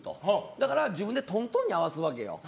だから、自分でトントンに合わせるわけよ。